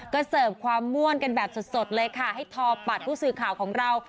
ก็เสิร์ฟความม่วนกันแบบสดเลยค่ะให้ทอปัดผู้สื่อข่าวของเรา